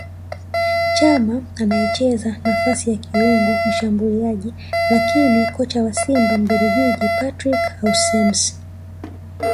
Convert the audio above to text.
Chama anayecheza nafasi ya kiungo mshambuliaji lakini Kocha wa Simba Mbelgiji Patrick Aussems